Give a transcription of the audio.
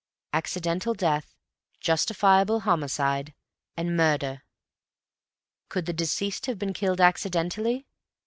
Accidental death, justifiable homicide, and murder. Could the deceased have been killed accidentally?